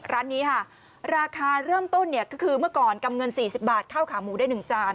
ร้านนี้ค่ะราคาเริ่มต้นเนี่ยก็คือเมื่อก่อนกำเงิน๔๐บาทเข้าขาหมูได้๑จาน